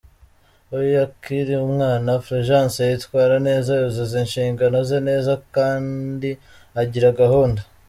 Iyo akiri umwana, Fulgence yitwara neza, yuzuza inshingano ze neza kandi agira gahunda.